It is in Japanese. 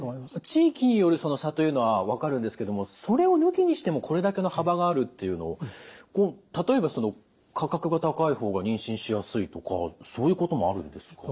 地域による差というのは分かるんですけどもそれを抜きにしてもこれだけの幅があるっていうのを例えば価格が高い方が妊娠しやすいとかそういうこともあるんですか？